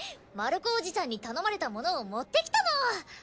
マルコおじちゃんに頼まれたものを持ってきたの！